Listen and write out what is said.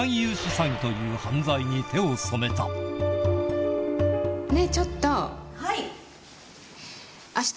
詐欺という犯罪に手を染めたはい。